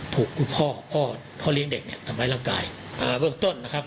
เบื้องต้นนะครับ